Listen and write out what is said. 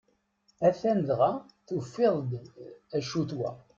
Atan dɣa tufiḍ-d acu-t wa!